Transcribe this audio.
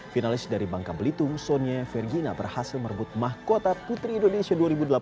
finalis dari bangka belitung sonia vergina berhasil merebut mahkota putri indonesia